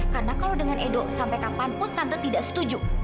karena kalau dengan edo sampai kapanpun tante tidak setuju